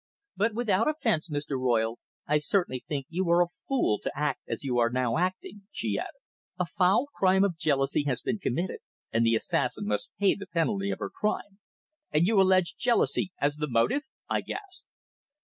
But, without offence, Mr. Royle, I certainly think you are a fool to act as you are now acting," she added. "A foul crime of jealousy has been committed, and the assassin must pay the penalty of her crime." "And you allege jealousy as the motive?" I gasped.